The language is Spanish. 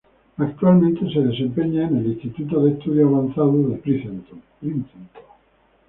Actualmente se desempeña en el Instituto de Estudios Avanzados de Princeton.